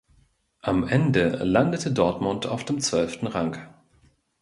Am Ende landete Dortmund auf dem zwölften Rang.